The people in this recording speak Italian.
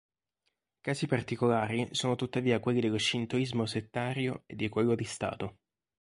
Casi particolari sono tuttavia quelli dello Shintoismo settario e di quello di Stato.